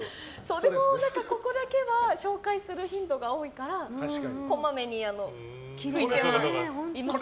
でも、ここだけは紹介する頻度が多いからこまめにきれいにして。